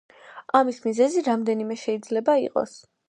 ამის მიზეზი რამდენიმე შეიძლება იყოს.